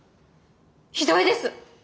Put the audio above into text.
ひどいです！